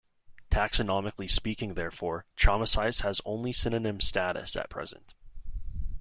Taxonomically speaking therefore, "Chamaesyce" has only synonym status at present.